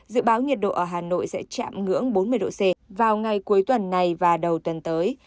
dự báo nhiệt độ ở hà nội sẽ chạm ngưỡng bốn mươi độ c vào ngày cuối tuần này và đầu tuần tới